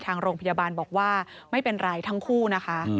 ทางโรงพยาบาลบอกว่าไม่เป็นไรทั้งคู่นะคะ